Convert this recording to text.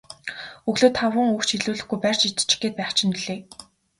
Өглөө таван үг ч хэлүүлэхгүй барьж идчих гээд байх чинь билээ.